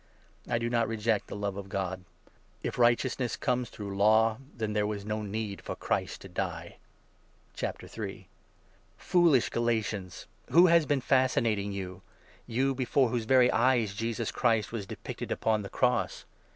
I do not reject 21 the love of God. If righteousness comes through Law, then there was no need for Christ to die ! The Gaiatians Foolish Galatians ! Who has been fascinating i misled as to you — you before whose very eyes Jesus Christ the Law. was depicted upon the cross